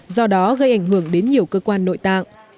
do đó gây ảnh hưởng đến nhiều cơ quan nội tạng